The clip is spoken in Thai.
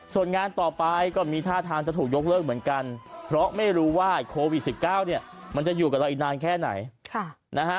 ส่วนงานต่อไปก็มีท่าทางจะถูกยกเลิกเหมือนกันเพราะไม่รู้ว่าโควิด๑๙เนี่ยมันจะอยู่กับเราอีกนานแค่ไหนนะฮะ